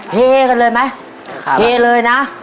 เฮกันเลยไหมเฮเลยนะ